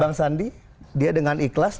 bang sandi dia dengan ikhlas